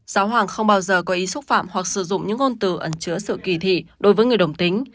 giáo hoàng không bao giờ có ý xúc phạm hoặc sử dụng những ngôn từ ẩn chứa sự kỳ thị đối với người đồng tính